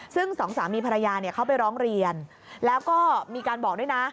ซึ่งสองสามีภรรยาเนี่ยเขาไปร้องเรียนแล้วก็มีการบอกด้วยนะ